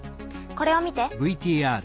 これを見て。